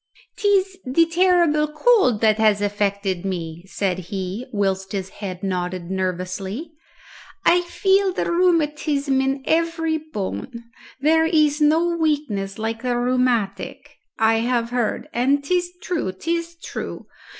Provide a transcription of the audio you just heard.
"'Tis the terrible cold that has affected me," said he, whilst his head nodded nervously. "I feel the rheumatism in every bone. There is no weakness like the rheumatic, I have heard, and 'tis true, 'tis true.